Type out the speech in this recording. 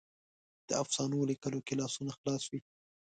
د افسانو لیکلو کې لاسونه خلاص وي.